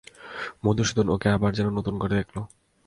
মধুসূদন ওকে আবার যেন নতুন করে দেখলে।